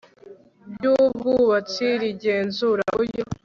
by ubwubatsi rigenzura uburyo